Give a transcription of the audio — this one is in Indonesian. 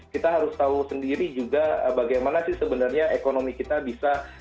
kita harus tahu sendiri juga bagaimana sih sebenarnya ekonomi kita bisa